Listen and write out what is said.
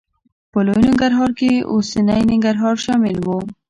په لوی ننګرهار کې اوسنی ننګرهار شامل و.